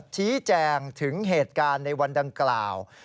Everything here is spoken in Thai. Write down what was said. ชี้แจงถึงเหตุการณ์ในวันดังกล่าว